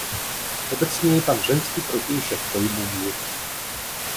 Obecněji pak ženský protějšek pojmu mnich.